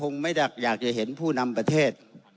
ไม่ได้อยากจะเห็นผู้นำประเทศ